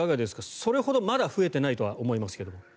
それほどまだ増えていないとは思いますけど。